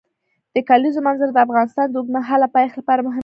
د کلیزو منظره د افغانستان د اوږدمهاله پایښت لپاره مهم رول لري.